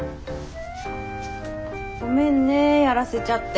ごめんねやらせちゃって。